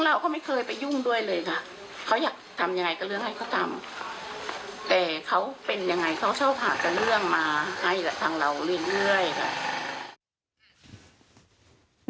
แต่เขาเป็นอย่างไรค่ะเขาชอบหากันเรื่องมาให้กับทางและเรื่อย